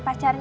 ya itu dong